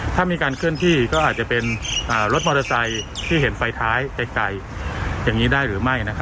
ถ้ามีการเคลื่อนที่ก็อาจจะเป็นรถมอเตอร์ไซค์ที่เห็นไฟท้ายไกลอย่างนี้ได้หรือไม่